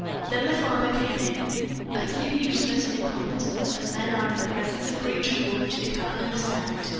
Then the farmer came in, utterly useless and incompetent, as men are in the presence of great trouble which they cannot understand.